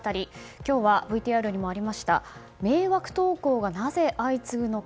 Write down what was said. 今日はＶＴＲにもありました迷惑投稿がなぜ相次ぐのか。